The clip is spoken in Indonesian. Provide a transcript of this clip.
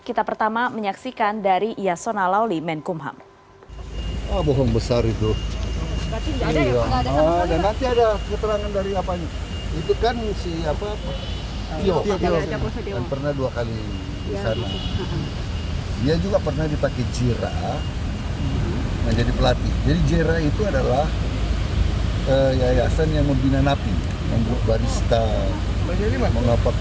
kita pertama menyaksikan dari yasona lawli menkumham